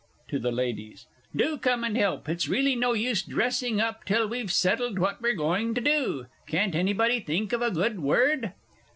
(To the Ladies.) Do come and help; it's really no use dressing up till we've settled what we're going to do. Can't anybody think of a good Word?